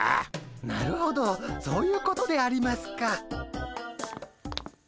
なるほどそういうことでありますか。